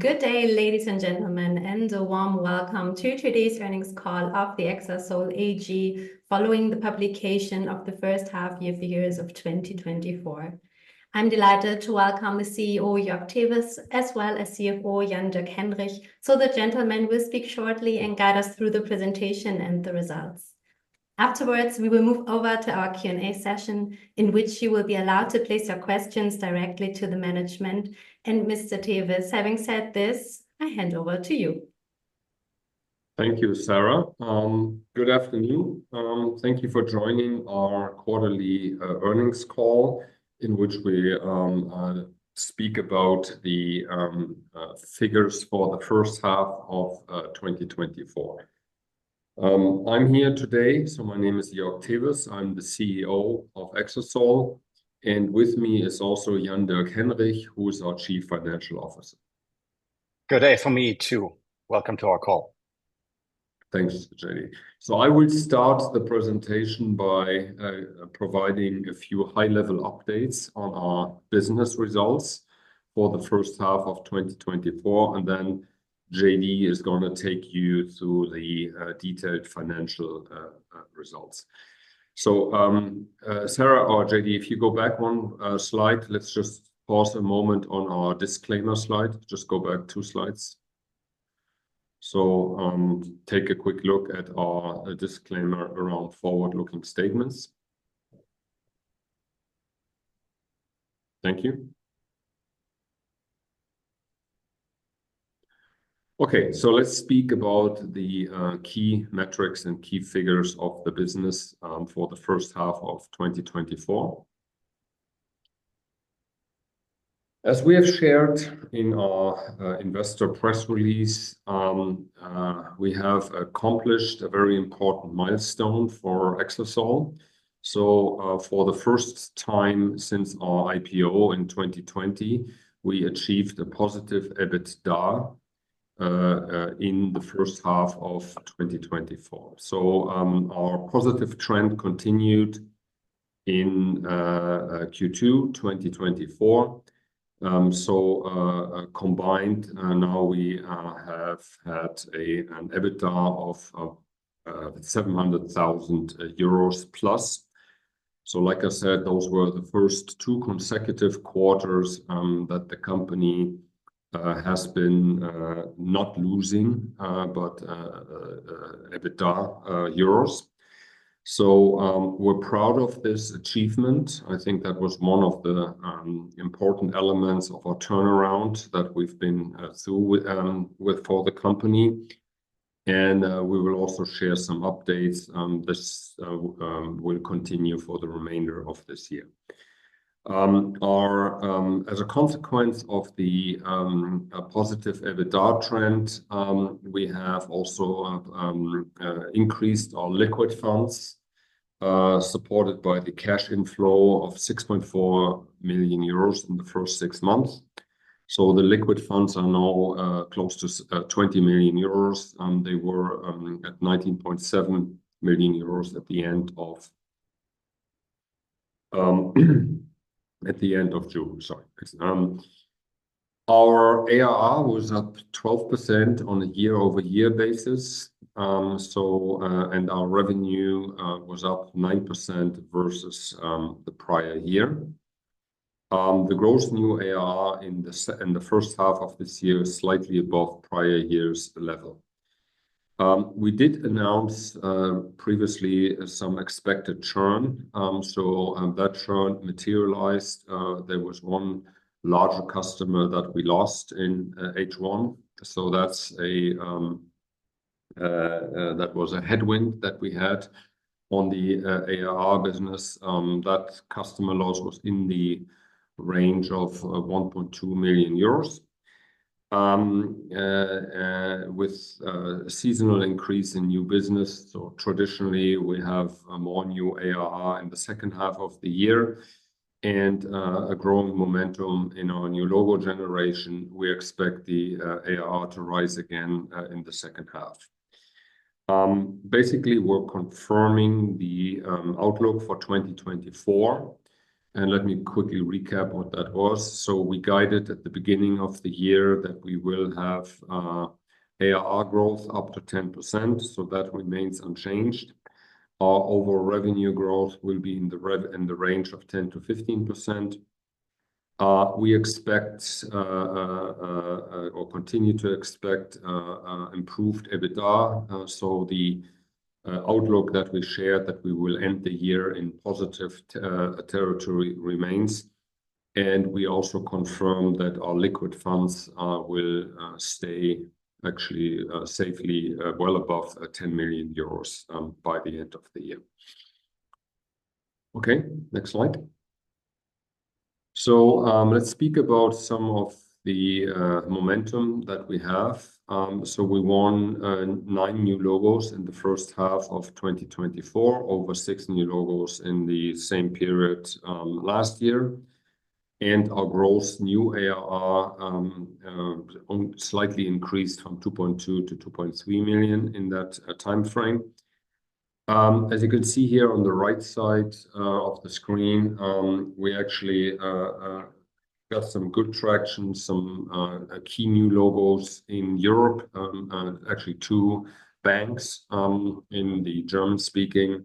Good day, ladies and gentlemen, and a warm welcome to today's earnings call of the Exasol AG, following the publication of the first half-year figures of 2024. I'm delighted to welcome the CEO, Joerg Tewes, as well as CFO, Jan-Dirk Henrich. So the gentlemen will speak shortly and guide us through the presentation and the results. Afterwards, we will move over to our Q&A session, in which you will be allowed to place your questions directly to the management and Mr. Tewes. Having said this, I hand over to you. Thank you, Sarah. Good afternoon. Thank you for joining our quarterly earnings call, in which we speak about the figures for the first half of 2024. I'm here today, so my name is Joerg Tewes. I'm the CEO of Exasol, and with me is also Jan-Dirk Henrich, who is our Chief Financial Officer. Good day from me, too. Welcome to our call. Thanks, JD. So I will start the presentation by providing a few high-level updates on our business results for the first half of 2024, and then JD is gonna take you through the detailed financial results. So, Sarah or JD, if you go back one slide, let's just pause a moment on our disclaimer slide. Just go back two slides. So, take a quick look at our disclaimer around forward-looking statements. Thank you. Okay, so let's speak about the key metrics and key figures of the business for the first half of 2024. As we have shared in our investor press release, we have accomplished a very important milestone for Exasol. For the first time since our IPO in 2020, we achieved a positive EBITDA in the first half of 2024. Our positive trend continued in Q2, 2024. Combined, now we have had an EBITDA of 700,000 euros plus. So like I said, those were the first two consecutive quarters that the company has been not losing EBITDA euros. We're proud of this achievement. I think that was one of the important elements of our turnaround that we've been through with for the company, and we will also share some updates. This will continue for the remainder of this year. Our. As a consequence of the positive EBITDA trend, we have also increased our liquid funds, supported by the cash inflow of 6.4 million euros in the first six months. So the liquid funds are now close to 20 million euros, and they were at 19.7 million euros at the end of June. Sorry. Our ARR was up 12% on a year-over-year basis. So, and our revenue was up 9% versus the prior year. The gross new ARR in the first half of this year is slightly above prior years' level. We did announce previously some expected churn, so that churn materialized. There was one larger customer that we lost in H1, so that was a headwind that we had on the ARR business. That customer loss was in the range of 1.2 million euros. With seasonal increase in new business, so traditionally we have more new ARR in the second half of the year, and a growing momentum in our new logo generation. We expect the ARR to rise again in the second half. Basically, we're confirming the outlook for 2024, and let me quickly recap what that was. So we guided at the beginning of the year that we will have ARR growth up to 10%, so that remains unchanged. Our overall revenue growth will be in the range of 10%-15%. We expect or continue to expect improved EBITDA, so the outlook that we shared, that we will end the year in positive territory remains. And we also confirm that our liquid funds will stay actually safely well above 10 million euros by the end of the year. Okay, next slide. So, let's speak about some of the momentum that we have. So we won nine new logos in the first half of 2024, over six new logos in the same period last year, and our gross new ARR slightly increased from 2.2 million-2.3 million in that timeframe. As you can see here on the right side of the screen, we actually got some good traction, some key new logos in Europe. Actually two banks in the German-speaking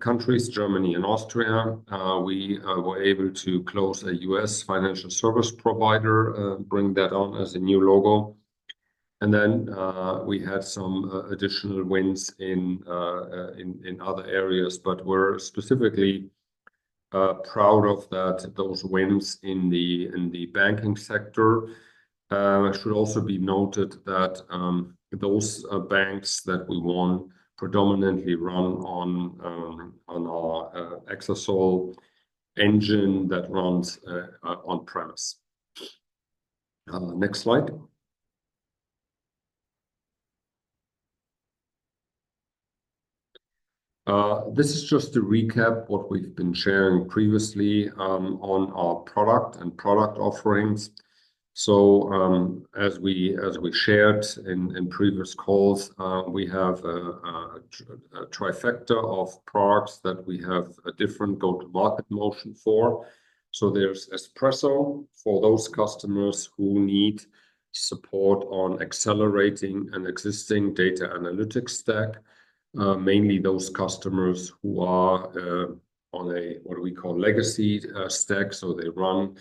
countries, Germany and Austria. We were able to close a U.S. financial service provider, bring that on as a new logo. And then we had some additional wins in other areas, but we're specifically proud of those wins in the banking sector. It should also be noted that those banks that we won predominantly run on our Exasol engine that runs on-premise. Next slide. This is just to recap what we've been sharing previously on our product and product offerings. So, as we shared in previous calls, we have a trifecta of products that we have a different go-to-market motion for. So there's Espresso for those customers who need support on accelerating an existing data analytics stack, mainly those customers who are on a what we call legacy stack. So they run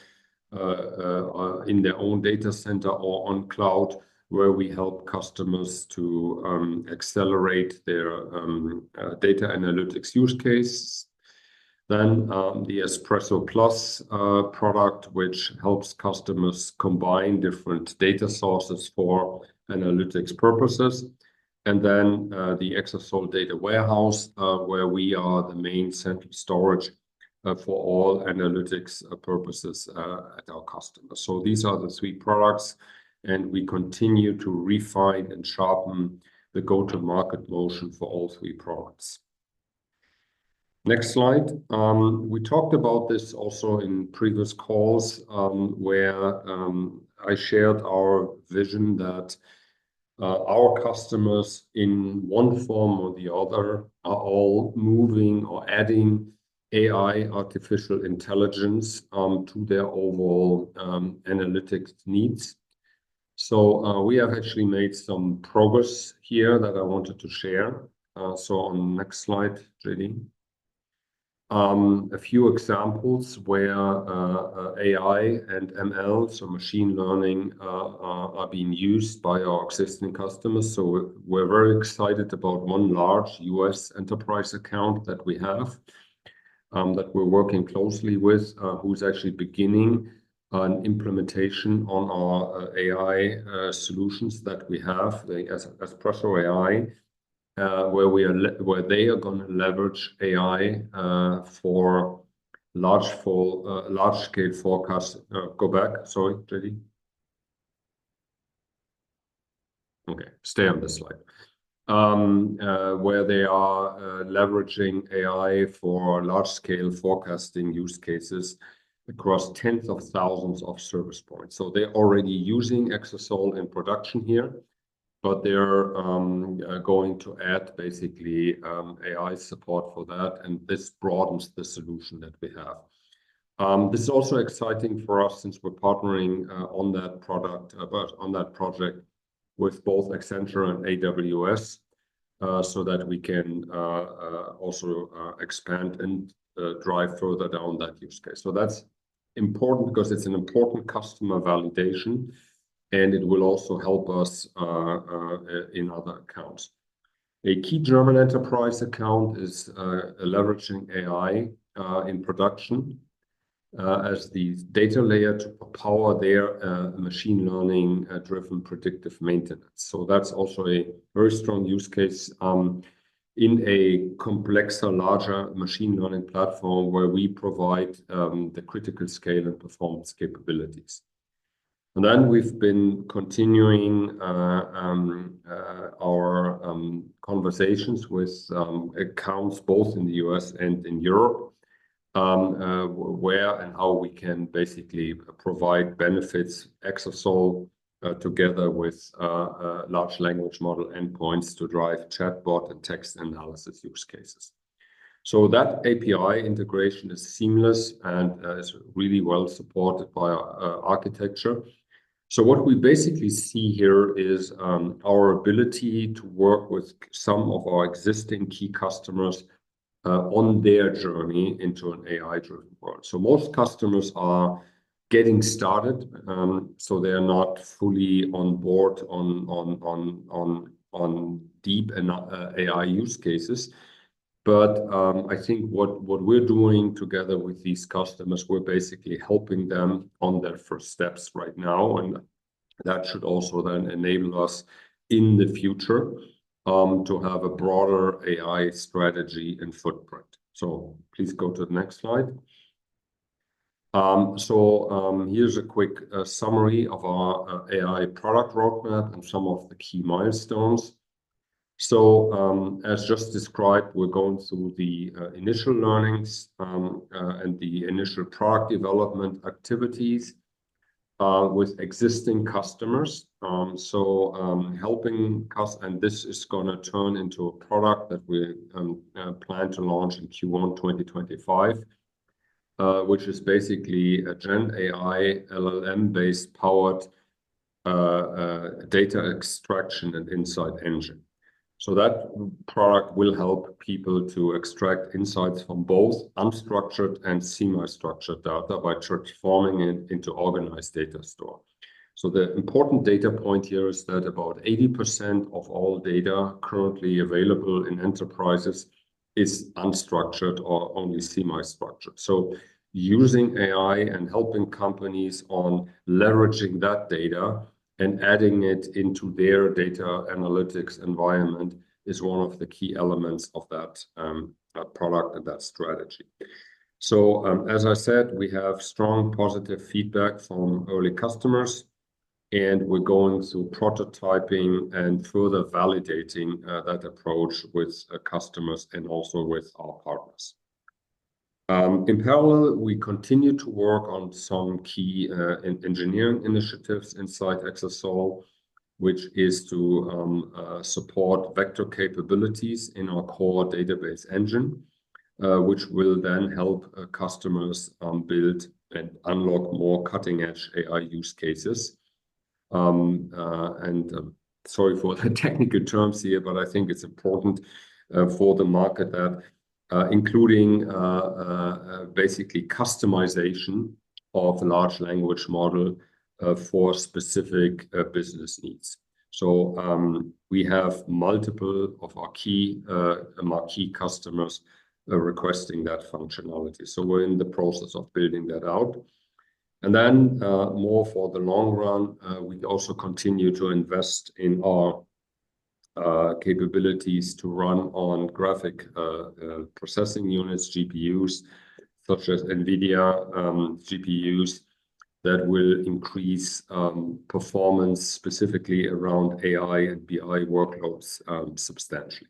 in their own data center or on cloud, where we help customers to accelerate their data analytics use case. Then, the Espresso Plus product, which helps customers combine different data sources for analytics purposes, and then, the Exasol Data Warehouse, where we are the main central storage for all analytics purposes at our customer. So these are the three products, and we continue to refine and sharpen the go-to-market motion for all three products. Next slide. We talked about this also in previous calls, where I shared our vision that our customers, in one form or the other, are all moving or adding AI, artificial intelligence, to their overall analytics needs. So, we have actually made some progress here that I wanted to share. So on the next slide, Jenny. A few examples where AI and ML, so machine learning, are being used by our existing customers. So we're very excited about one large U.S. enterprise account that we have, that we're working closely with, who's actually beginning an implementation on our AI solutions that we have, the Espresso AI, where they are gonna leverage AI for large-scale forecasts. Go back. Sorry, Jenny. Okay, stay on this slide. where they are leveraging AI for large-scale forecasting use cases across tens of thousands of service points. So they're already using Exasol in production here, but they're going to add basically AI support for that, and this broadens the solution that we have. This is also exciting for us since we're partnering on that product, but on that project with both Accenture and AWS, so that we can also expand and drive further down that use case. So that's important because it's an important customer validation, and it will also help us in other accounts. A key German enterprise account is leveraging AI in production as the data layer to power their machine learning-driven predictive maintenance. So that's also a very strong use case in a complex and larger machine learning platform, where we provide the critical scale and performance capabilities. And then we've been continuing our conversations with accounts both in the U.S. and in Europe, where and how we can basically provide benefits, Exasol, together with large language model endpoints to drive chatbot and text analysis use cases. So that API integration is seamless and is really well supported by our architecture. So what we basically see here is our ability to work with some of our existing key customers on their journey into an AI-driven world. So most customers are getting started, so they are not fully on board on deep and AI use cases. But, I think what, what we're doing together with these customers, we're basically helping them on their first steps right now, and that should also then enable us in the future, to have a broader AI strategy and footprint. So please go to the next slide. So, here's a quick summary of our AI product roadmap and some of the key milestones. So, as just described, we're going through the initial learnings and the initial product development activities with existing customers. So, and this is gonna turn into a product that we plan to launch in Q1 2025, which is basically a GenAI LLM-based powered data extraction and insight engine. So that product will help people to extract insights from both unstructured and semi-structured data by transforming it into organized data store. So the important data point here is that about 80% of all data currently available in enterprises is unstructured or only semi-structured. So using AI and helping companies on leveraging that data and adding it into their data analytics environment is one of the key elements of that, that product and that strategy. So, as I said, we have strong positive feedback from early customers, and we're going through prototyping and further validating, that approach with, customers and also with our partners. In parallel, we continue to work on some key engineering initiatives inside Exasol, which is to support vector capabilities in our core database engine, which will then help customers build and unlock more cutting-edge AI use cases. Sorry for the technical terms here, but I think it's important for the market that including basically customization of large language model for specific business needs. So, we have multiple of our key customers requesting that functionality, so we're in the process of building that out. Then, more for the long run, we also continue to invest in our capabilities to run on graphics processing units, GPUs, such as NVIDIA GPUs, that will increase performance specifically around AI and BI workloads substantially.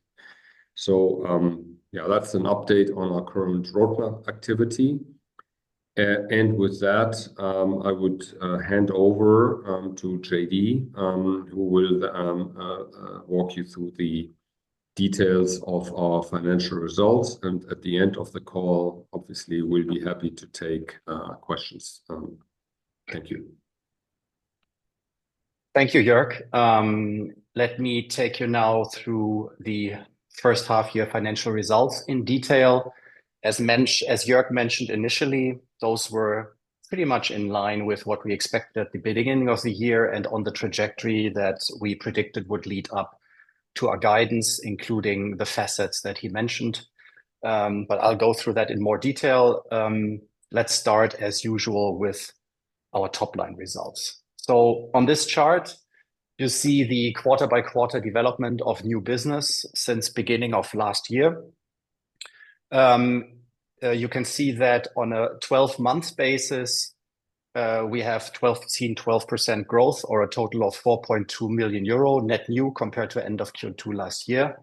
So, yeah, that's an update on our current roadmap activity. And with that, I would hand over to JD, who will walk you through the details of our financial results. And at the end of the call, obviously, we'll be happy to take questions. Thank you. Thank you, Joerg. Let me take you now through the first half year financial results in detail. As Joerg mentioned initially, those were pretty much in line with what we expected at the beginning of the year and on the trajectory that we predicted would lead up to our guidance, including the facets that he mentioned. But I'll go through that in more detail. Let's start, as usual, with our top-line results. So on this chart, you see the quarter-by-quarter development of new business since beginning of last year. You can see that on a 12-month basis, we have seen 12% growth, or a total of 4.2 million euro net new compared to end of Q2 last year.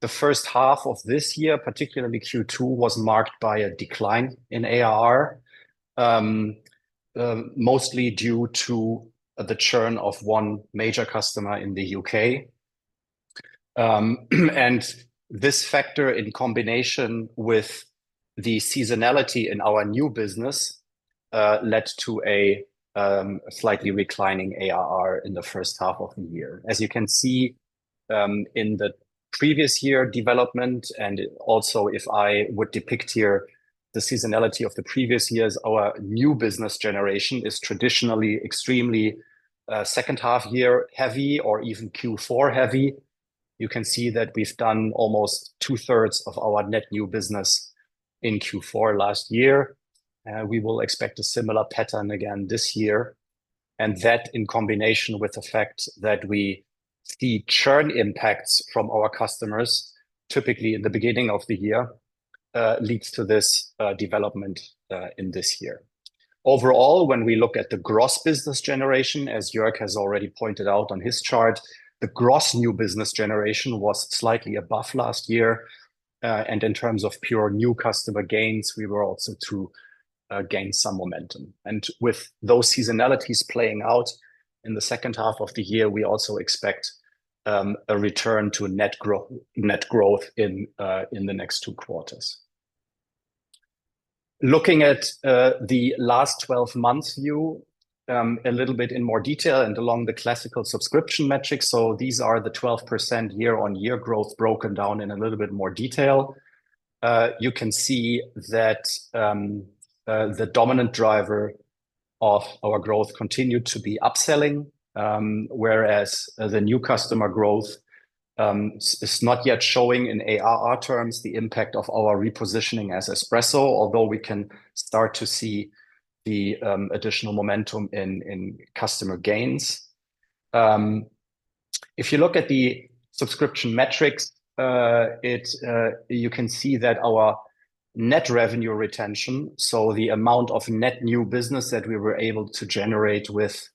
The first half of this year, particularly Q2, was marked by a decline in ARR, mostly due to the churn of one major customer in the U.K. And this factor, in combination with the seasonality in our new business, led to a slightly declining ARR in the first half of the year. As you can see, in the previous year development, and also if I would depict here the seasonality of the previous years, our new business generation is traditionally extremely second half year heavy or even Q4 heavy. You can see that we've done almost 2/3 of our net new business in Q4 last year. We will expect a similar pattern again this year, and that, in combination with the fact that we see churn impacts from our customers, typically in the beginning of the year, leads to this development in this year. Overall, when we look at the gross business generation, as Jörg has already pointed out on his chart, the gross new business generation was slightly above last year. And in terms of pure new customer gains, we were also to gain some momentum. And with those seasonalities playing out in the second half of the year, we also expect a return to a net growth in the next two quarters. Looking at the last 12 months view, a little bit in more detail and along the classical subscription metrics, so these are the 12% year-on-year growth, broken down in a little bit more detail. You can see that the dominant driver of our growth continued to be upselling, whereas the new customer growth is not yet showing in ARR terms the impact of our repositioning as Espresso, although we can start to see the additional momentum in customer gains. If you look at the subscription metrics, you can see that our net revenue retention, so the amount of net new business that we were able to generate with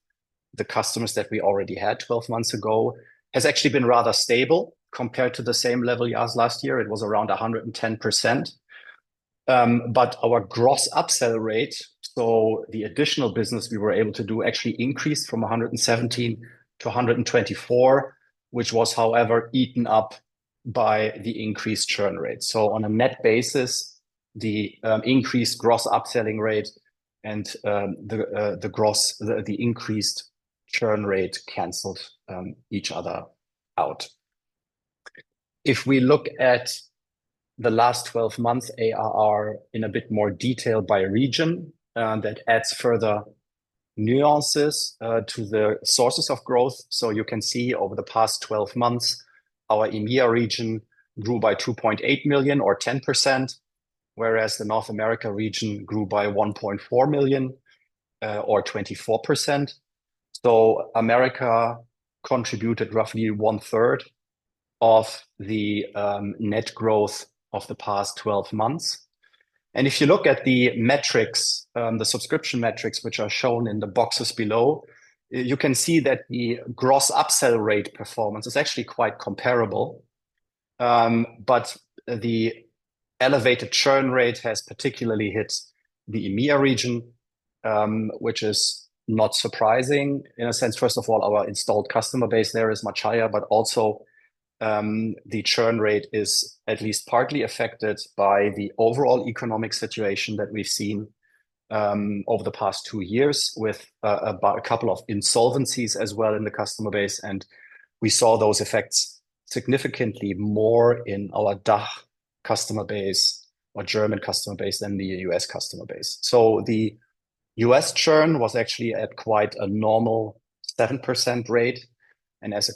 the customers that we already had 12 months ago, has actually been rather stable compared to the same level as last year. It was around 110%. But our gross upsell rate, so the additional business we were able to do, actually increased from 117 to 124, which was, however, eaten up by the increased churn rate. So on a net basis, the increased gross upselling rate and the increased churn rate canceled each other out. If we look at the last twelve months ARR in a bit more detail by region, that adds further nuances to the sources of growth. So you can see over the past twelve months, our EMEA region grew by 2.8 million or 10%, whereas the North America region grew by 1.4 million or 24%. So America contributed roughly one third of the net growth of the past 12 months. And if you look at the metrics, the subscription metrics, which are shown in the boxes below, you can see that the gross upsell rate performance is actually quite comparable. But the elevated churn rate has particularly hit the EMEA region, which is not surprising in a sense. First of all, our installed customer base there is much higher, but also, the churn rate is at least partly affected by the overall economic situation that we've seen over the past 2 years, with about a couple of insolvencies as well in the customer base, and we saw those effects significantly more in our DACH customer base or German customer base than the U.S. customer base. So the US churn was actually at quite a normal 7% rate, and as a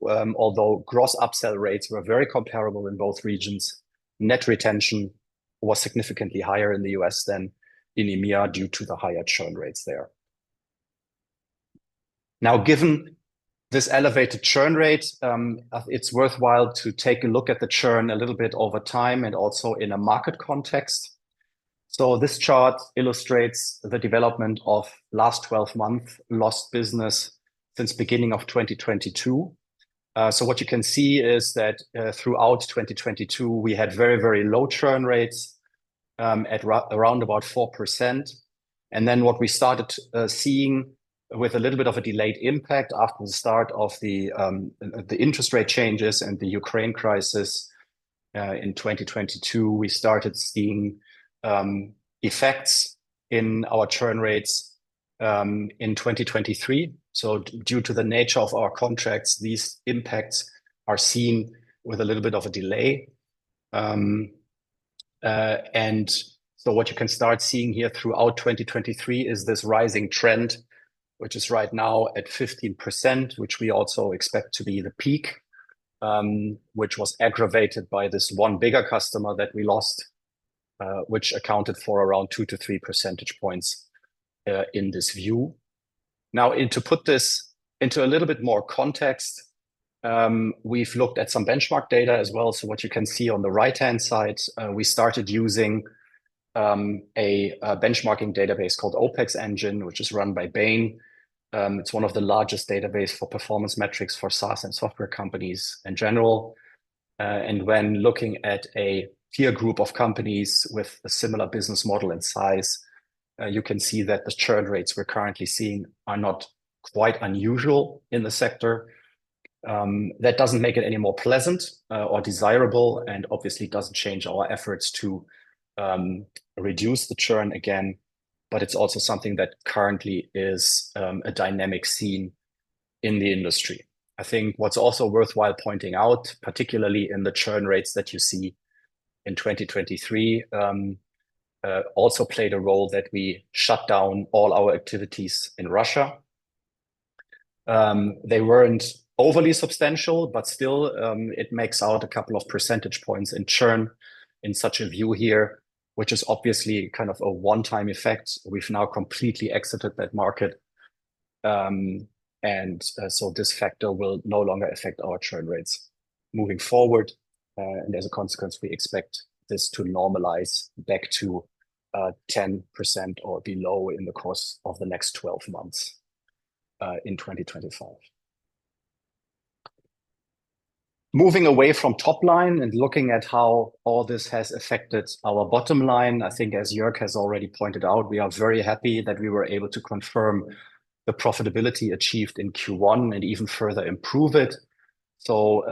consequence, although gross upsell rates were very comparable in both regions, net retention was significantly higher in the U.S. than in EMEA, due to the higher churn rates there. Now, given this elevated churn rate, it's worthwhile to take a look at the churn a little bit over time and also in a market context. So this chart illustrates the development of last 12-month lost business since beginning of 2022. So what you can see is that, throughout 2022, we had very, very low churn rates, at around about 4%. And then what we started seeing, with a little bit of a delayed impact after the start of the interest rate changes and the Ukraine crisis, in 2022, we started seeing effects in our churn rates, in 2023. So due to the nature of our contracts, these impacts are seen with a little bit of a delay. And so what you can start seeing here throughout 2023 is this rising trend, which is right now at 15%, which we also expect to be the peak, which was aggravated by this one bigger customer that we lost, which accounted for around 2-3 percentage points, in this view. Now, and to put this into a little bit more context, we've looked at some benchmark data as well. So what you can see on the right-hand side, we started using a benchmarking database called OPEXEngine, which is run by Bain. It's one of the largest database for performance metrics for SaaS and software companies in general. And when looking at a peer group of companies with a similar business model and size, you can see that the churn rates we're currently seeing are not quite unusual in the sector. That doesn't make it any more pleasant, or desirable, and obviously doesn't change our efforts to reduce the churn again, but it's also something that currently is a dynamic seen in the industry. I think what's also worthwhile pointing out, particularly in the churn rates that you see in 2023, also played a role that we shut down all our activities in Russia. They weren't overly substantial, but still, it makes out a couple of percentage points in churn in such a view here, which is obviously kind of a one-time effect. We've now completely exited that market, and so this factor will no longer affect our churn rates moving forward, and as a consequence, we expect this to normalize back to 10% or below in the course of the next 12 months, in 2025. Moving away from top line and looking at how all this has affected our bottom line, I think as Joerg has already pointed out, we are very happy that we were able to confirm the profitability achieved in Q1 and even further improve it. So,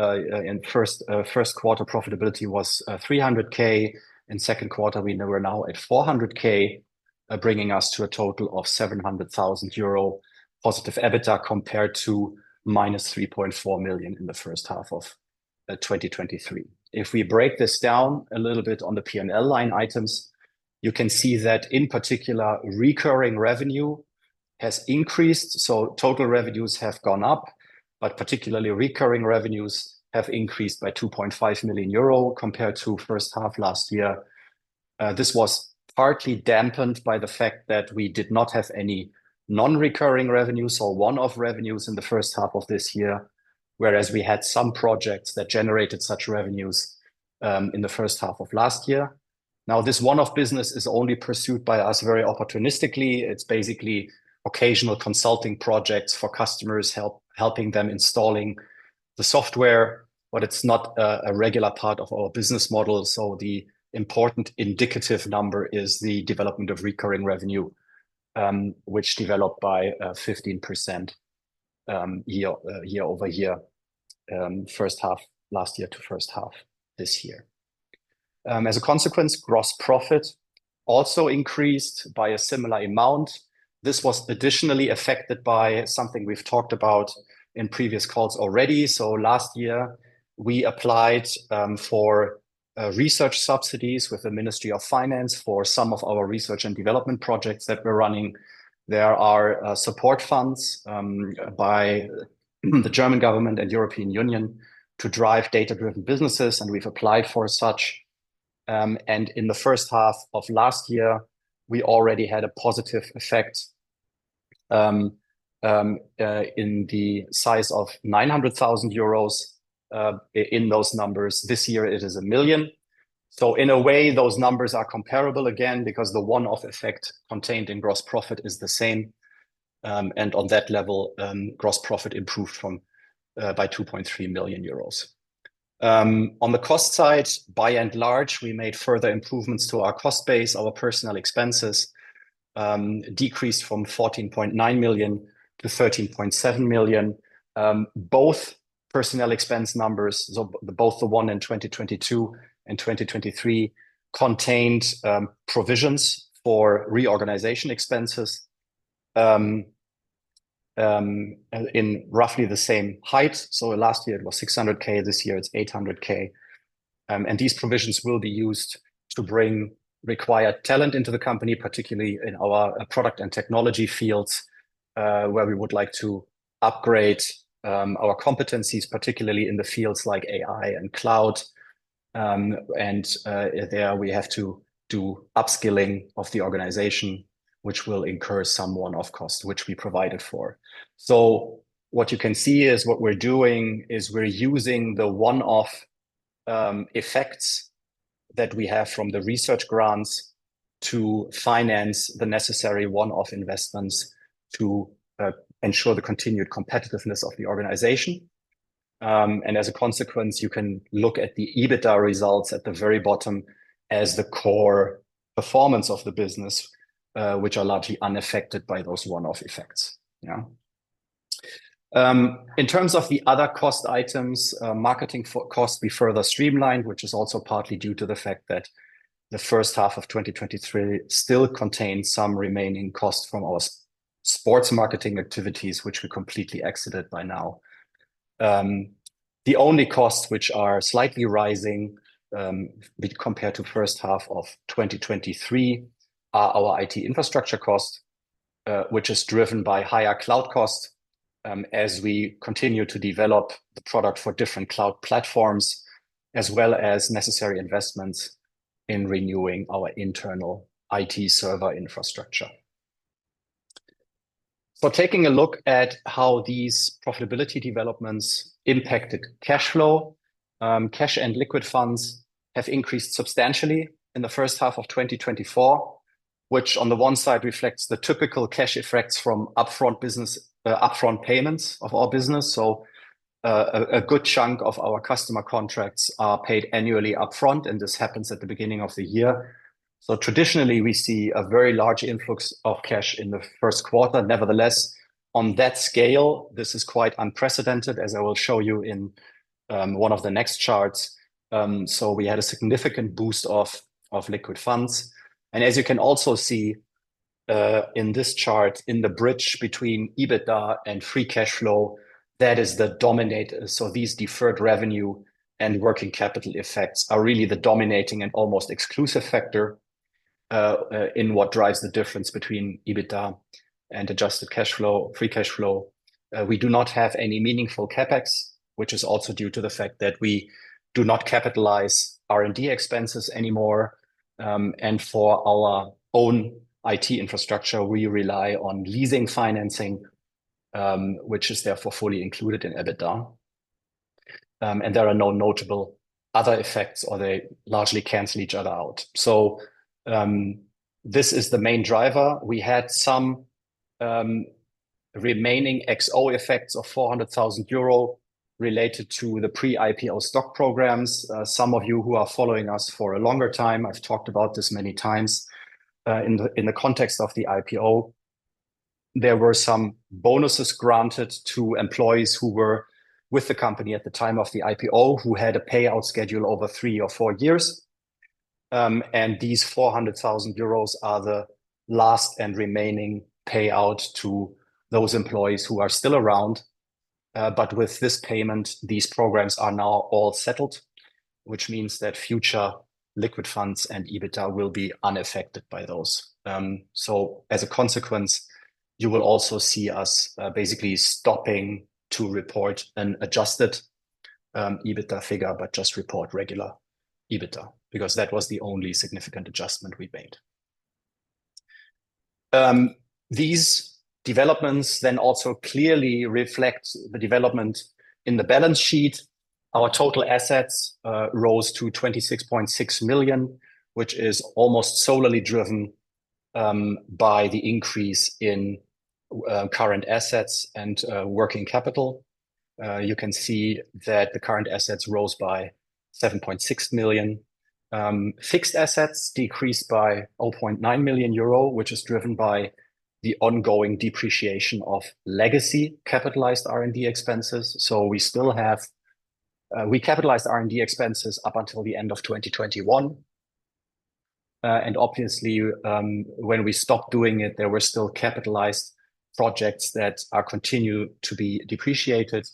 in first quarter, profitability was 300,000. In second quarter, we were now at 400,000, bringing us to a total of 700,000 euro positive EBITDA, compared to minus 3.4 million in the first half of 2023. If we break this down a little bit on the P&L line items, you can see that, in particular, recurring revenue has increased, so total revenues have gone up, but particularly recurring revenues have increased by 2.5 million euro compared to first half last year. This was partly dampened by the fact that we did not have any non-recurring revenues or one-off revenues in the first half of this year, whereas we had some projects that generated such revenues in the first half of last year. Now, this one-off business is only pursued by us very opportunistically. It's basically occasional consulting projects for customers, helping them installing the software, but it's not a regular part of our business model, so the important indicative number is the development of recurring revenue, which developed by 15% year-over-year, first half last year to first half this year. As a consequence, gross profit also increased by a similar amount. This was additionally affected by something we've talked about in previous calls already. So last year, we applied for research subsidies with the Ministry of Finance for some of our research and development projects that we're running. There are support funds by the German government and European Union to drive data-driven businesses, and we've applied for such. And in the first half of last year, we already had a positive effect in the size of 900,000 euros in those numbers. This year, it is 1 million. So in a way, those numbers are comparable again, because the one-off effect contained in gross profit is the same. And on that level, gross profit improved from by 2.3 million euros. On the cost side, by and large, we made further improvements to our cost base. Our personnel expenses decreased from 14.9 million to 13.7 million. Both personnel expense numbers, so both the one in 2022 and 2023, contained provisions for reorganization expenses in roughly the same height. So last year it was 600,000, this year it's 800,000. And these provisions will be used to bring required talent into the company, particularly in our product and technology fields, where we would like to upgrade our competencies, particularly in the fields like AI and cloud. There we have to do upskilling of the organization, which will incur some one-off cost, which we provided for. So what you can see is what we're doing is we're using the one-off effects that we have from the research grants to finance the necessary one-off investments to ensure the continued competitiveness of the organization. As a consequence, you can look at the EBITDA results at the very bottom as the core performance of the business, which are largely unaffected by those one-off effects. Yeah. In terms of the other cost items, marketing costs be further streamlined, which is also partly due to the fact that the first half of 2023 still contains some remaining costs from our sports marketing activities, which we completely exited by now. The only costs which are slightly rising, compared to first half of 2023, are our IT infrastructure cost, which is driven by higher cloud costs, as we continue to develop the product for different cloud platforms, as well as necessary investments in renewing our internal IT server infrastructure. So taking a look at how these profitability developments impacted cash flow, cash and liquid funds have increased substantially in the first half of 2024, which on the one side, reflects the typical cash effects from upfront payments of our business. So, a good chunk of our customer contracts are paid annually upfront, and this happens at the beginning of the year. So traditionally, we see a very large influx of cash in the first quarter. Nevertheless, on that scale, this is quite unprecedented, as I will show you in one of the next charts. So we had a significant boost of liquid funds. As you can also see in this chart, in the bridge between EBITDA and free cash flow, that is the dominant. So these deferred revenue and working capital effects are really the dominating and almost exclusive factor in what drives the difference between EBITDA and adjusted cash flow, free cash flow. We do not have any meaningful CapEx, which is also due to the fact that we do not capitalize R&D expenses anymore. For our own IT infrastructure, we rely on leasing financing, which is therefore fully included in EBITDA. There are no notable other effects, or they largely cancel each other out. So, this is the main driver. We had some remaining [XO] effects of 400,000 euro related to the pre-IPO stock programs. Some of you who are following us for a longer time, I've talked about this many times, in the context of the IPO, there were some bonuses granted to employees who were with the company at the time of the IPO, who had a payout schedule over three or four years. And these 400,000 euros are the last and remaining payout to those employees who are still around. But with this payment, these programs are now all settled, which means that future liquid funds and EBITDA will be unaffected by those. So as a consequence, you will also see us basically stopping to report an adjusted EBITDA figure, but just report regular EBITDA, because that was the only significant adjustment we made. These developments then also clearly reflect the development in the balance sheet. Our total assets rose to 26.6 million, which is almost solely driven by the increase in current assets and working capital. You can see that the current assets rose by 7.6 million. Fixed assets decreased by 0.9 million euro, which is driven by the ongoing depreciation of legacy capitalized R&D expenses. So we still have we capitalized R&D expenses up until the end of 2021. And obviously, when we stopped doing it, there were still capitalized projects that continue to be depreciated.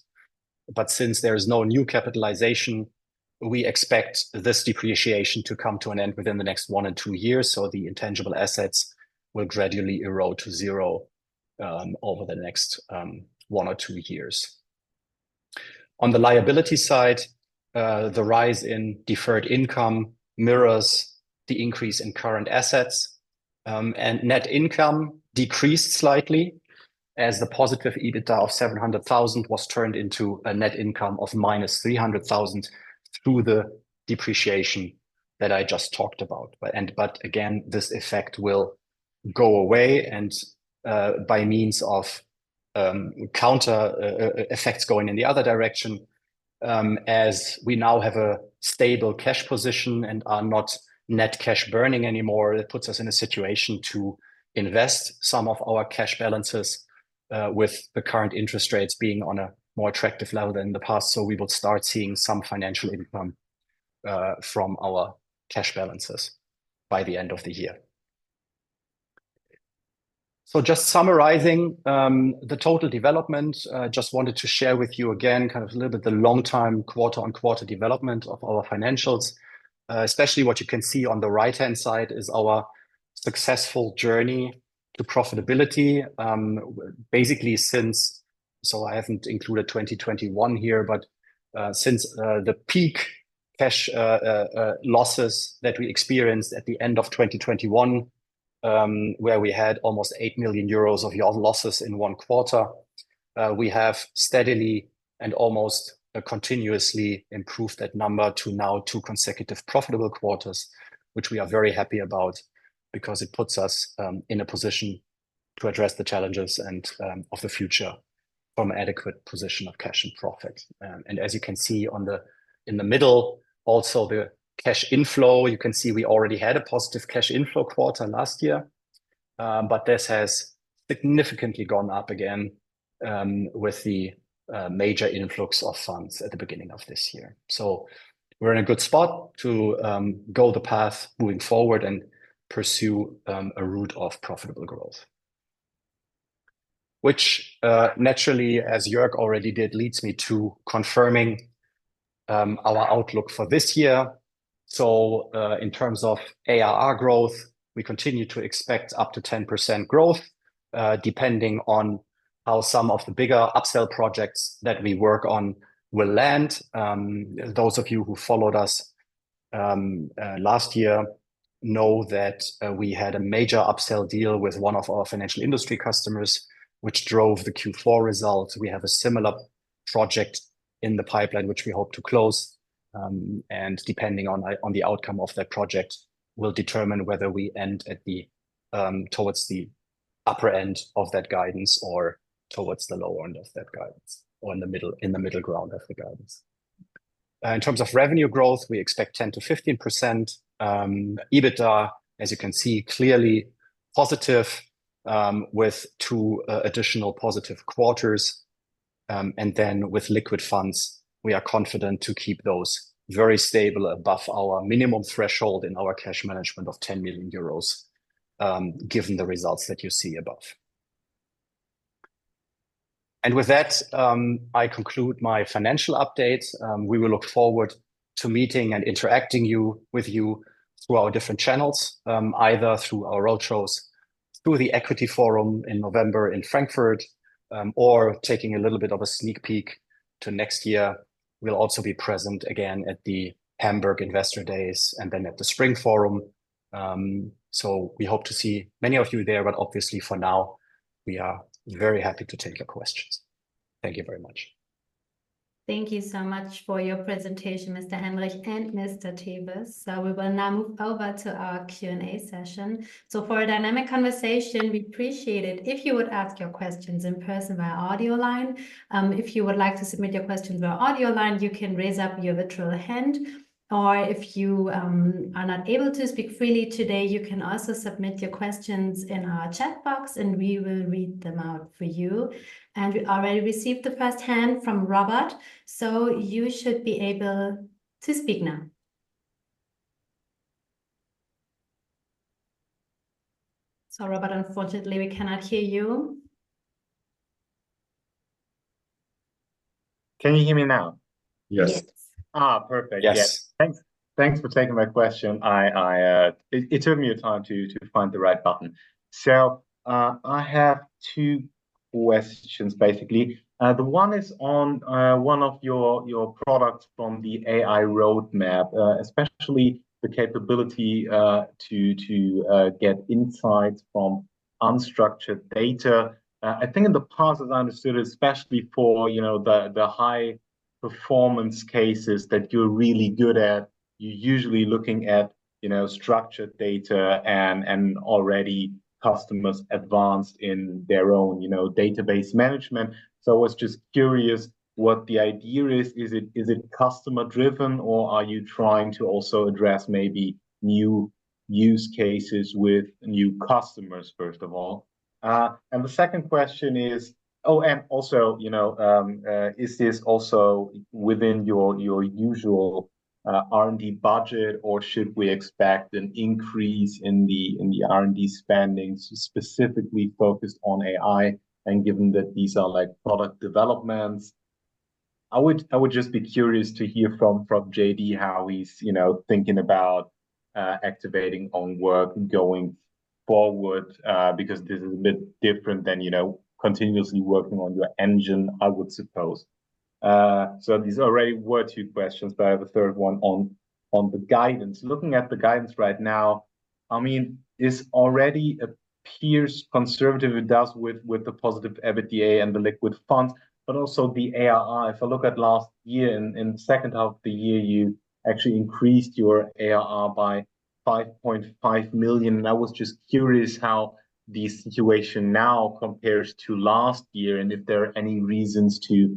But since there is no new capitalization, we expect this depreciation to come to an end within the next one-two years, so the intangible assets will gradually erode to zero over the next one-two years. On the liability side, the rise in deferred income mirrors the increase in current assets, and net income decreased slightly as the positive EBITDA of 700,000 was turned into a net income of minus 300,000 through the depreciation that I just talked about. But again, this effect will go away and, by means of, counter effects going in the other direction, as we now have a stable cash position and are not net cash burning anymore, that puts us in a situation to invest some of our cash balances, with the current interest rates being on a more attractive level than in the past. So we will start seeing some financial income, from our cash balances by the end of the year. So just summarizing, the total development, I just wanted to share with you again, kind of a little bit the long time, quarter-on-quarter development of our financials. Especially what you can see on the right-hand side is our successful journey to profitability. Basically since. So I haven't included 2021 here, but since the peak cash losses that we experienced at the end of 2021, where we had almost 8 million euros of yearly losses in one quarter, we have steadily and almost continuously improved that number to now two consecutive profitable quarters, which we are very happy about because it puts us in a position to address the challenges and of the future from an adequate position of cash and profit. And as you can see in the middle, also the cash inflow, you can see we already had a positive cash inflow quarter last year, but this has significantly gone up again with the major influx of funds at the beginning of this year. So we're in a good spot to go the path moving forward and pursue a route of profitable growth. Which naturally, as Joerg already did, leads me to confirming our outlook for this year. So in terms of ARR growth, we continue to expect up to 10% growth depending on how some of the bigger upsell projects that we work on will land. Those of you who followed us last year know that we had a major upsell deal with one of our financial industry customers, which drove the Q4 results. We have a similar project in the pipeline, which we hope to close, and depending on the outcome of that project, will determine whether we end at the towards the upper end of that guidance or towards the lower end of that guidance, or in the middle, in the middle ground of the guidance. In terms of revenue growth, we expect 10%-15%. EBITDA, as you can see, clearly positive, with two additional positive quarters. And then with liquid funds, we are confident to keep those very stable above our minimum threshold in our cash management of 10 million euros, given the results that you see above. And with that, I conclude my financial update. We will look forward to meeting and interacting with you through our different channels, either through our roadshows, through the Equity Forum in November in Frankfurt, or taking a little bit of a sneak peek to next year, we'll also be present again at the Hamburg Investor Days and then at the Spring Forum. So we hope to see many of you there, but obviously, for now, we are very happy to take your questions. Thank you very much. Thank you so much for your presentation, Mr. Henrich and Mr. Tewes. We will now move over to our Q&A session. For a dynamic conversation, we appreciate it if you would ask your questions in person via audio line. If you would like to submit your question via audio line, you can raise up your virtual hand, or if you are not able to speak freely today, you can also submit your questions in our chat box, and we will read them out for you. We already received the first hand from Robert, so you should be able to speak now. Sorry, Robert, unfortunately, we cannot hear you. Can you hear me now? Yes. Ah, perfect. Yes. Thanks, thanks for taking my question. It took me a time to find the right button. So, I have two questions, basically. The one is on one of your products from the AI roadmap, especially the capability to get insights from unstructured data. I think in the past, as I understood, especially for, you know, the high. Performance cases that you're really good at, you're usually looking at, you know, structured data and already customers advanced in their own, you know, database management. So I was just curious what the idea is. Is it, is it customer-driven, or are you trying to also address maybe new use cases with new customers, first of all? And the second question is. Oh, and also, you know, is this also within your usual R&D budget, or should we expect an increase in the R&D spending specifically focused on AI, and given that these are like product developments? I would just be curious to hear from JD, how he's, you know, thinking about activating own work going forward, because this is a bit different than, you know, continuously working on your engine, I would suppose. So these already were two questions, but I have a third one on the guidance. Looking at the guidance right now, I mean, this already appears conservative. It does with the positive EBITDA and the liquid funds, but also the ARR. If I look at last year, in the second half of the year, you actually increased your ARR by 5.5 million, and I was just curious how the situation now compares to last year, and if there are any reasons to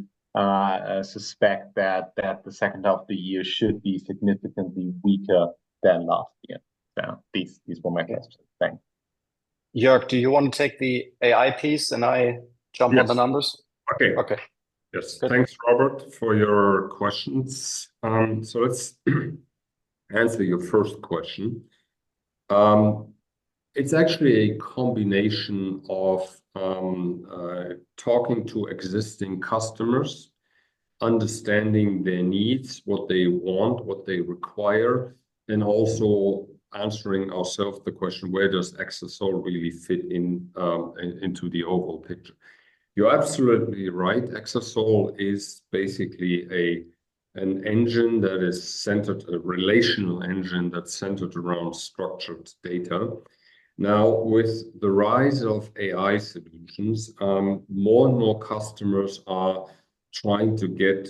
suspect that the second half of the year should be significantly weaker than last year. So these were my questions. Thanks. Joerg, do you want to take the AI piece, and I jump on the numbers? Okay. Okay. Yes. Thanks, Robert, for your questions. So let's answer your first question. It's actually a combination of, talking to existing customers, understanding their needs, what they want, what they require, and also answering ourself the question: Where does Exasol really fit in, in, into the overall picture? You're absolutely right. Exasol is basically a, an engine that is centered, a relational engine that's centered around structured data. Now, with the rise of AI solutions, more and more customers are trying to get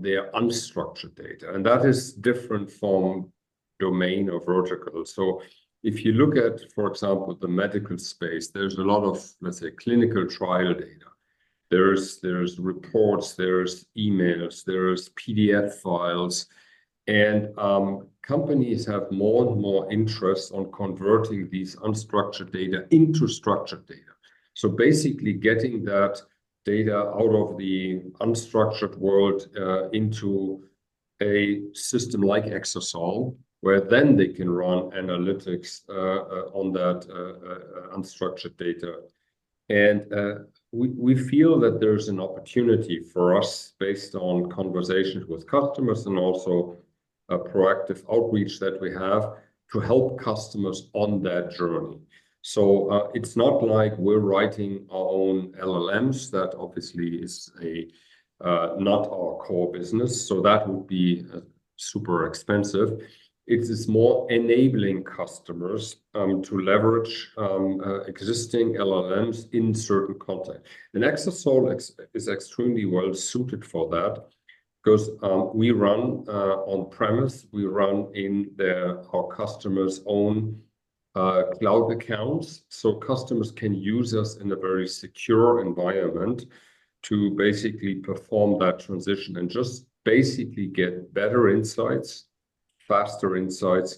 their unstructured data, and that is different from domain or vertical. So if you look at, for example, the medical space, there's a lot of, let's say, clinical trial data. There's reports, there's emails, there's PDF files, and companies have more and more interest on converting these unstructured data into structured data. So basically, getting that data out of the unstructured world into a system like Exasol, where then they can run analytics on that unstructured data. And we feel that there's an opportunity for us, based on conversations with customers and also a proactive outreach that we have, to help customers on that journey. So, it's not like we're writing our own LLMs. That obviously is not our core business, so that would be super expensive. It is more enabling customers to leverage existing LLMs in certain context. And Exasol is extremely well-suited for that 'cause we run on-premise, we run in their. Our customer's own cloud accounts. So customers can use us in a very secure environment to basically perform that transition and just basically get better insights, faster insights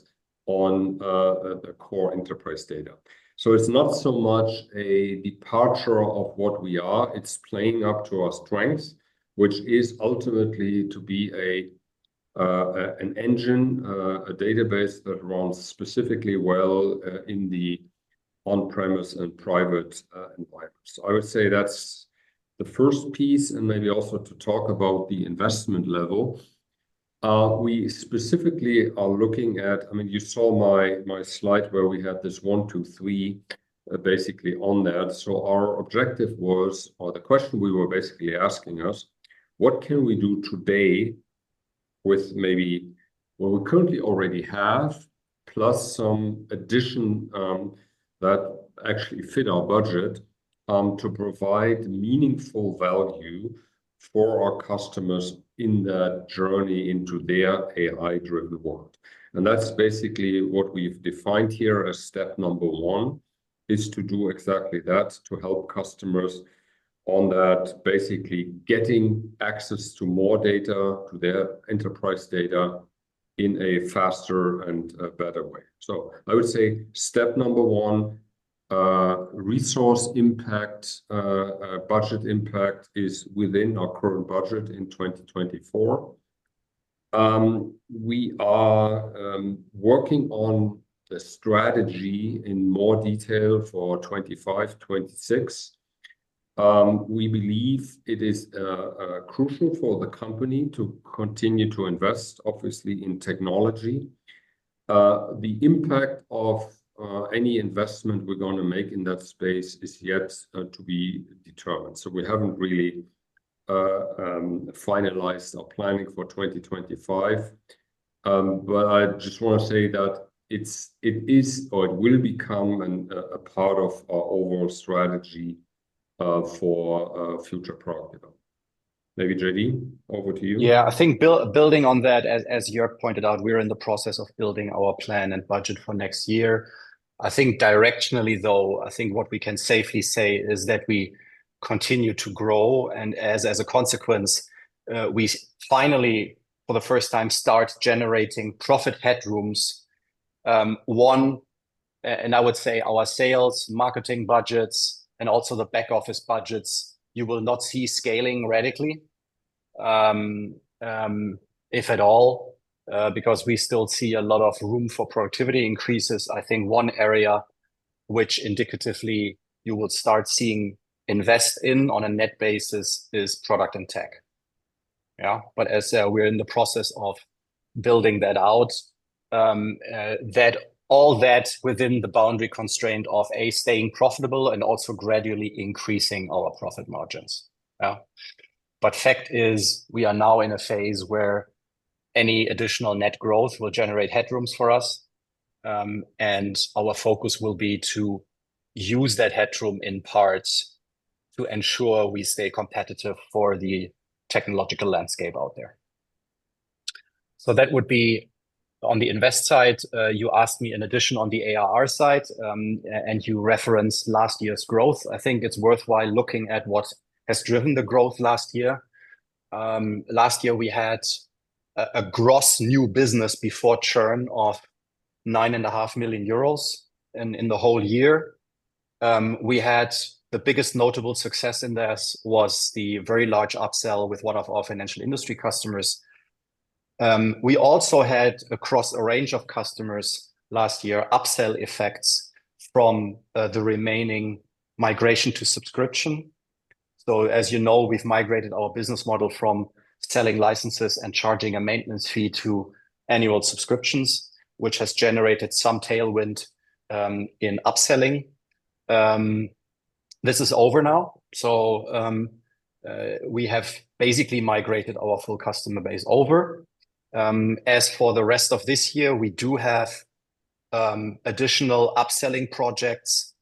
on the core enterprise data. So it's not so much a departure of what we are, it's playing up to our strengths, which is ultimately to be a a an engine a database that runs specifically well in the on-premise and private environments. So I would say that's the first piece, and maybe also to talk about the investment level. We specifically are looking at, I mean, you saw my my slide where we had this one, two, three basically on that. So our objective was, or the question we were basically asking us: What can we do today with maybe what we currently already have, plus some addition, that actually fit our budget, to provide meaningful value for our customers in that journey into their AI-driven world? That's basically what we've defined here as step number one, is to do exactly that, to help customers on that, basically getting access to more data, to their enterprise data, in a faster and a better way. I would say step number one, resource impact, budget impact is within our current budget in 2024. We are working on the strategy in more detail for 2025, 2026. We believe it is crucial for the company to continue to invest, obviously, in technology. The impact of any investment we're gonna make in that space is yet to be determined, so we haven't really finalized our planning for 2025. But I just wanna say that it's, it is, or it will become a part of our overall strategy for a future product. Maybe JD, over to you. Yeah, I think building on that, as Joerg pointed out, we're in the process of building our plan and budget for next year. I think directionally, though, I think what we can safely say is that we continue to grow, and as a consequence, we finally, for the first time, start generating profit headrooms. And I would say our sales, marketing budgets, and also the back office budgets, you will not see scaling radically, if at all, because we still see a lot of room for productivity increases. I think one area which indicatively you will start seeing invest in on a net basis is product and tech. Yeah, but as we're in the process of building that out, that all that within the boundary constraint of a, staying profitable, and also gradually increasing our profit margins. Yeah. But fact is, we are now in a phase where any additional net growth will generate headrooms for us, and our focus will be to use that headroom in parts to ensure we stay competitive for the technological landscape out there. So that would be on the invest side. You asked me in addition on the ARR side, and you referenced last year's growth. I think it's worthwhile looking at what has driven the growth last year. Last year we had a gross new business before churn of 9.5 million euros in the whole year. We had the biggest notable success in this was the very large upsell with one of our financial industry customers. We also had, across a range of customers last year, upsell effects from the remaining migration to subscription. So as you know, we've migrated our business model from selling licenses and charging a maintenance fee to annual subscriptions, which has generated some tailwind in upselling. This is over now, so we have basically migrated our full customer base over. As for the rest of this year, we do have additional upselling projects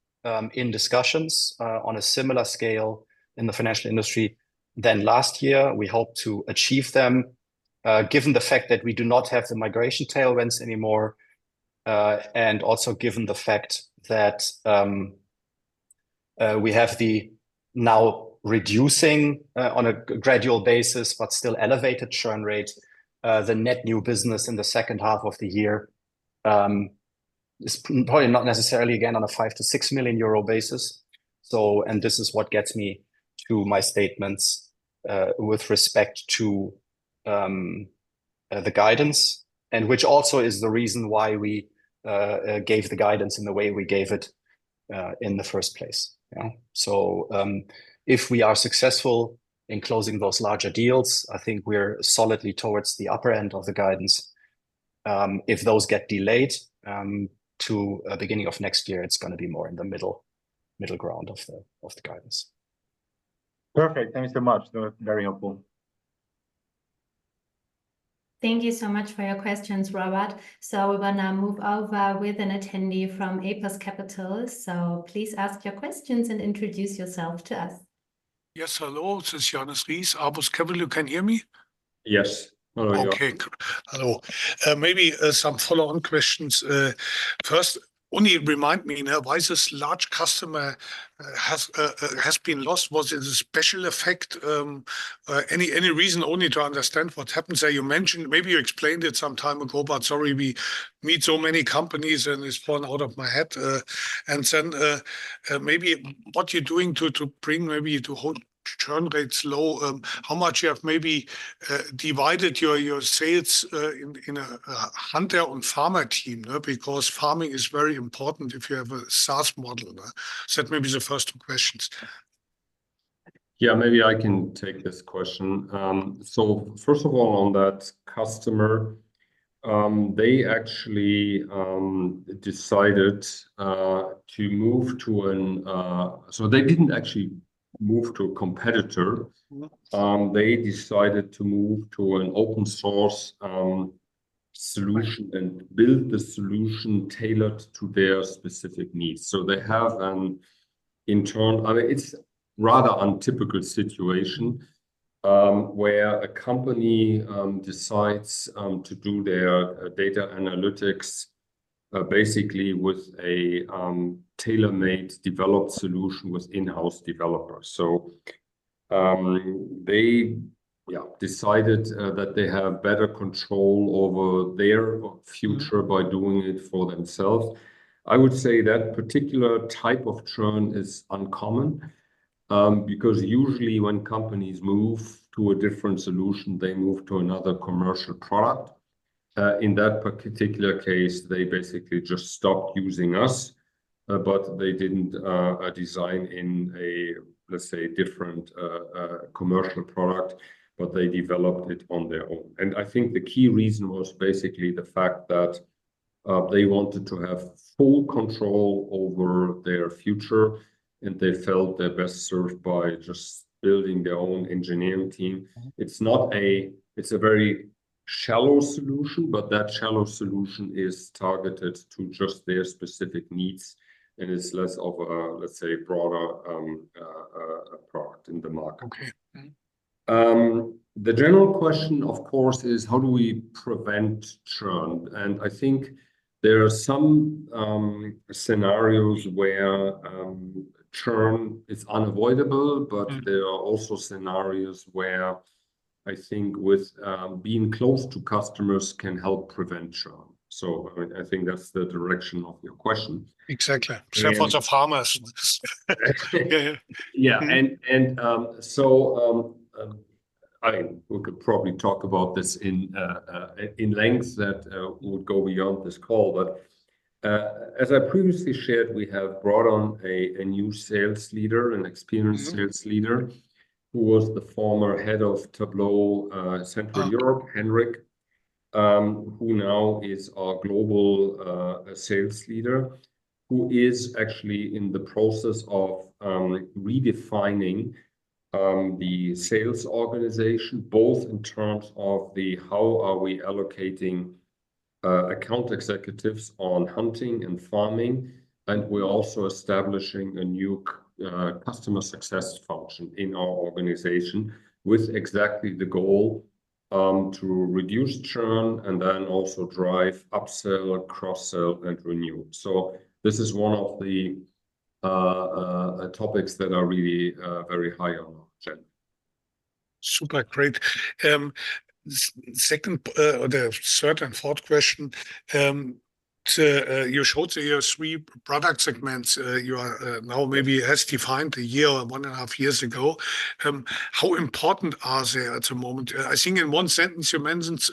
in discussions on a similar scale in the financial industry than last year. We hope to achieve them, given the fact that we do not have the migration tailwinds anymore, and also given the fact that we have the now reducing on a gradual basis, but still elevated churn rate, the net new business in the second half of the year is probably not necessarily again on a 5 million-6 million euro basis. So, and this is what gets me to my statements with respect to the guidance, and which also is the reason why we gave the guidance in the way we gave it in the first place. Yeah, so, if we are successful in closing those larger deals, I think we're solidly towards the upper end of the guidance. If those get delayed to beginning of next year, it's gonna be more in the middle, middle ground of the guidance. Perfect. Thank you so much. That was very helpful. Thank you so much for your questions, Robert. We will now move over with an attendee from Apus Capital. Please ask your questions and introduce yourself to us. Yes, hello, this is Johannes Ries, Apus Capital. You can hear me? Yes. Hello, Joerg. Okay, good. Hello. Maybe some follow-on questions. First, only remind me now, why this large customer has been lost? Was it a special effect, any reason only to understand what happened? So you mentioned, maybe you explained it some time ago, but sorry, we meet so many companies, and it's fallen out of my head. And then, maybe what you're doing to bring maybe to hold churn rates low, how much you have maybe divided your sales in a hunter and farmer team? Because farming is very important if you have a SaaS model. So that may be the first two questions. Yeah, maybe I can take this question. So first of all, on that customer, they actually decided to move to an. So they didn't actually move to a competitor. Mm-hmm. They decided to move to an open source solution and build the solution tailored to their specific needs. So they have, in turn... I mean, it's rather untypical situation, where a company, decides, to do their data analytics, basically with a, tailor-made developed solution with in-house developers. So, they, yeah, decided, that they have better control over their future by doing it for themselves. I would say that particular type of churn is uncommon, because usually when companies move to a different solution, they move to another commercial product. In that particular case, they basically just stopped using us, but they didn't, design in a, let's say, different, commercial product, but they developed it on their own. And I think the key reason was basically the fact that. They wanted to have full control over their future, and they felt they're best served by just building their own engineering team. It's not. It's a very shallow solution, but that shallow solution is targeted to just their specific needs, and it's less of a, let's say, broader product in the market. Okay. Mm-hmm. The general question, of course, is how do we prevent churn? And I think there are some scenarios where churn is unavoidable. Mm. But there are also scenarios where I think with, being close to customers can help prevent churn. So, I think that's the direction of your question. Exactly. And. There's lots of farmers. Exactly. Yeah, yeah. Yeah, so, I mean, we could probably talk about this at length that would go beyond this call. But as I previously shared, we have brought on a new sales leader, an experienced. Mm-hmm. Sales leader, who was the former head of Tableau, Central Europe. Ah Henrik, who now is our global sales leader, who is actually in the process of redefining the sales organization, both in terms of the how are we allocating account executives on hunting and farming, and we're also establishing a new customer success function in our organization, with exactly the goal to reduce churn and then also drive upsell or cross-sell and renew. So this is one of the topics that are really very high on our agenda. Super great. Second, the third and fourth question, you showed here your three product segments. You are now maybe as defined a year or one and a half years ago, how important are they at the moment? I think in one sentence, you mentioned,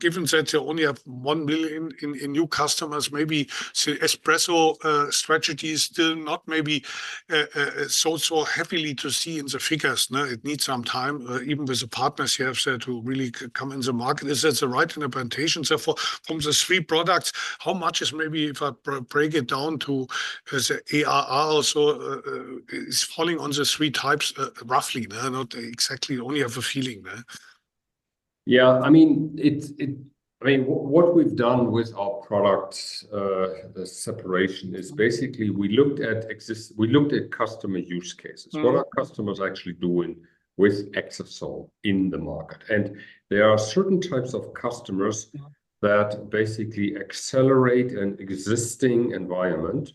given that you only have 1 billion in new customers, maybe the Espresso strategy is still not maybe so happily to see in the figures, no? It needs some time, even with the partners you have said who really could come in the market. Is that the right implementation? So for, from the three products, how much is maybe if I break, break it down to the ARR also, is falling on the three types, roughly, not exactly, only have a feeling? Yeah, I mean, it's, I mean, what we've done with our products, the separation, is basically we looked at customer use cases. Mm. What are customers actually doing with Exasol in the market? And there are certain types of customers that basically accelerate an existing environment,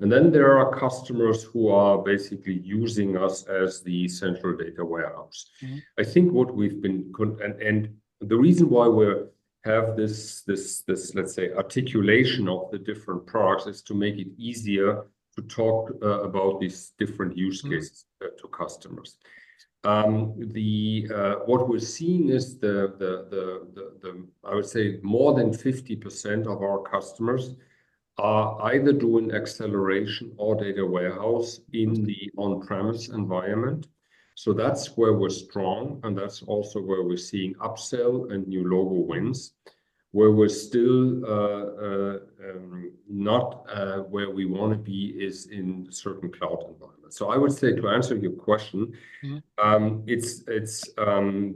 and then there are customers who are basically using us as the central data warehouse. Mm-hmm. I think the reason why we have this, let's say, articulation of the different products, is to make it easier to talk about these different use cases. Mm To customers. What we're seeing is, I would say, more than 50% of our customers are either doing acceleration or data warehouse in the on-premise environment. So that's where we're strong, and that's also where we're seeing upsell and new logo wins. Where we're still not where we want to be is in certain cloud environments. So I would say, to answer your question. Mm-hmm It's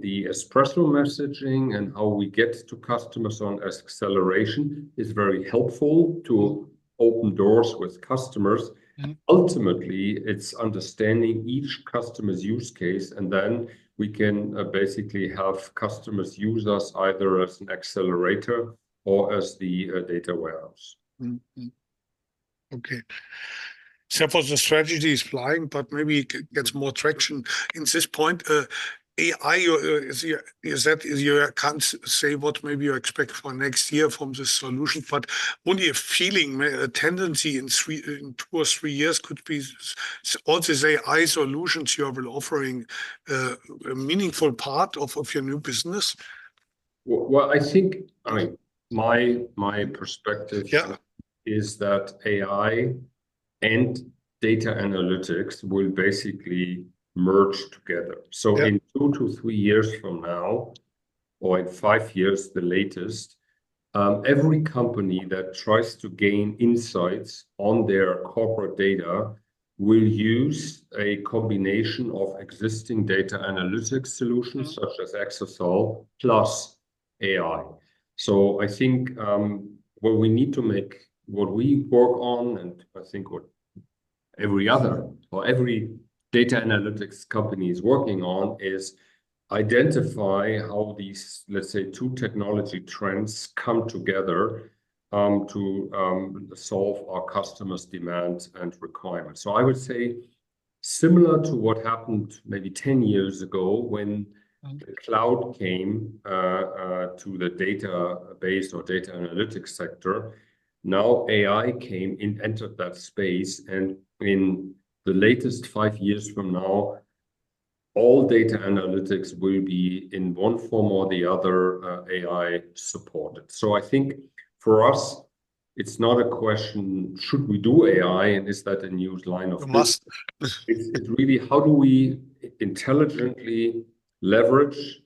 the Espresso messaging and how we get to customers on acceleration is very helpful to open doors with customers. Mm. Ultimately, it's understanding each customer's use case, and then we can basically have customers use us either as an accelerator or as the data warehouse. Okay. So far, the strategy is flying, but maybe it gets more traction. At this point, AI, is that you can't say what maybe you expect for next year from this solution, but only a feeling, a tendency in two or three years could be, all the AI solutions you are offering a meaningful part of your new business? Well, I think, I mean, my perspective. Yeah Is that AI and data analytics will basically merge together. Yeah. In two-three years from now, or in five years the latest, every company that tries to gain insights on their corporate data will use a combin.ation of existing data analytics solutions. Such as Exasol plus AI. So I think, what we need to make, what we work on, and I think what every other or every data analytics company is working on, is identify how these, let's say, two technology trends come together, to, solve our customers' demands and requirements. So I would say, similar to what happened maybe 10 years ago when cloud came to the database or data analytics sector. Now AI entered that space, and in the latest five years from now, all data analytics will be, in one form or the other, AI supported. So I think for us, it's not a question: should we do AI, and is that a new line of business? A must. It's really how do we intelligently leverage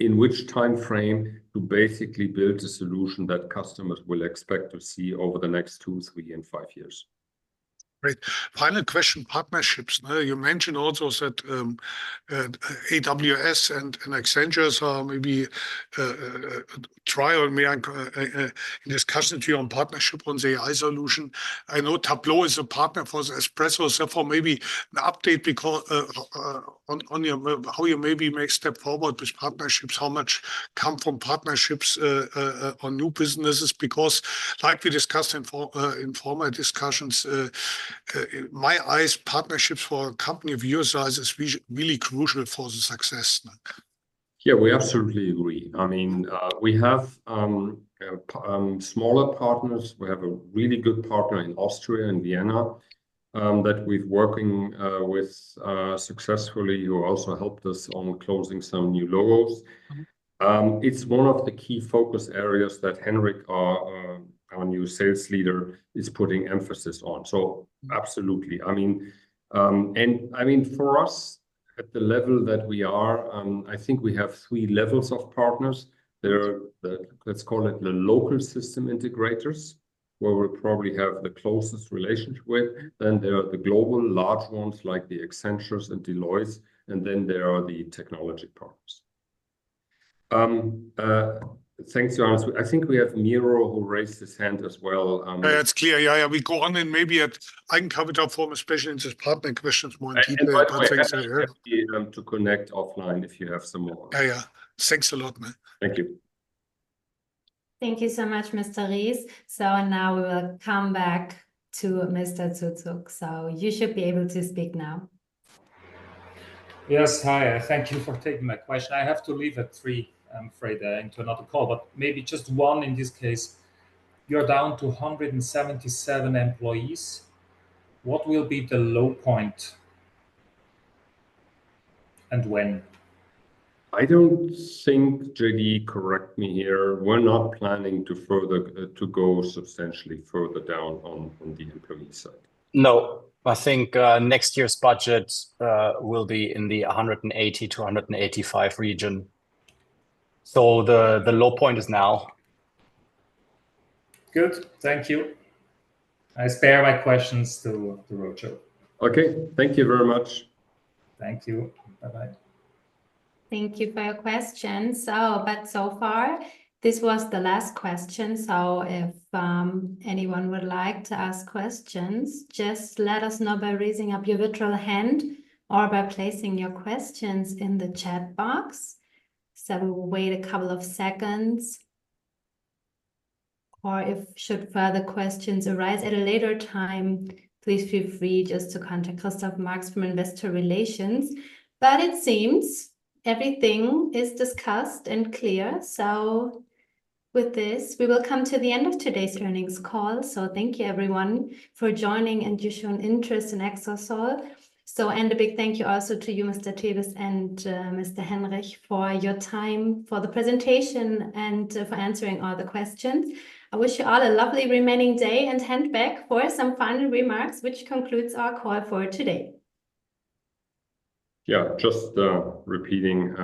in which timeframe to basically build a solution that customers will expect to see over the next two, three, and five years? Great. Final question, partnerships. Now, you mentioned also that, AWS and Accenture are maybe in discussion to you on partnership on the AI solution. I know Tableau is a partner for the Espresso, so for maybe an update on your how you maybe make step forward with partnerships, how much come from partnerships on new businesses? Because like we discussed in former discussions, in my eyes, partnerships for a company of your size is really crucial for the success now. Yeah, we absolutely agree. I mean, we have smaller partners. We have a really good partner in Austria, in Vienna, that we've working with successfully, who also helped us on closing some new logos. Mm-hmm. It's one of the key focus areas that Henrik, our, our new sales leader, is putting emphasis on. So absolutely. I mean, and I mean, for us, at the level that we are, I think we have three levels of partners. There are the, let's call it the local system integrators, where we probably have the closest relationship with. Then there are the global large ones, like the Accenture and Deloitte, and then there are the technology partners. Thanks, Johannes. I think we have Miro who raised his hand as well. Yeah, it's clear. Yeah, yeah, we go on, and maybe at I can cover it up for him, especially in this partner commissions more in detail. Happy to connect offline if you have some more. Yeah, yeah. Thanks a lot, man. Thank you. Thank you so much, Mr. Ries. So now we will come back to Mr. Zuzak, so you should be able to speak now. Yes. Hi, thank you for taking my question. I have to leave at three, I'm afraid, I have another call, but maybe just one in this case. You're down to 177 employees. What will be the low point, and when? I don't think, JD, correct me here, we're not planning to further, to go substantially further down on, on the employee side. No. I think next year's budget will be in the 180-185 region. So the low point is now. Good. Thank you. I save my questions for the roadshow. Okay. Thank you very much. Thank you. Bye-bye. Thank you for your question. But so far, this was the last question, so if anyone would like to ask questions, just let us know by raising up your virtual hand or by placing your questions in the chat box. So we will wait a couple of seconds, or if should further questions arise at a later time, please feel free just to contact Christoph Marx from Investor Relations. But it seems everything is discussed and clear, so with this, we will come to the end of today's earnings call. So thank you, everyone, for joining and your shown interest in Exasol. And a big thank you also to you, Mr. Tewes and Mr. Henrich, for your time, for the presentation, and for answering all the questions. I wish you all a lovely remaining day, and hand back for some final remarks, which concludes our call for today. Yeah, just repeating,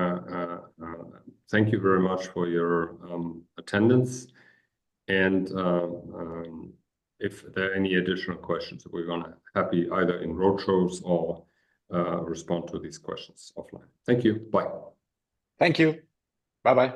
thank you very much for your attendance, and if there are any additional questions, we're gonna happy either in roadshows or respond to these questions offline. Thank you. Bye. Thank you. Bye-bye.